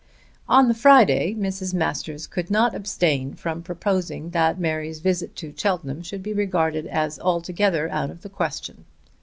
On the Friday Mrs. Masters could not abstain from proposing that Mary's visit to Cheltenham should be regarded as altogether out of the question.